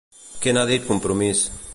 Què n'ha dit Compromís?